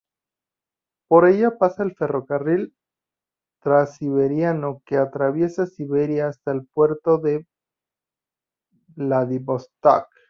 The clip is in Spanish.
Por ella pasa el ferrocarril Transiberiano que atraviesa Siberia hasta el puerto de Vladivostok.